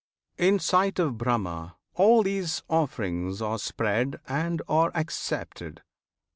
In sight of Brahma all these offerings Are spread and are accepted!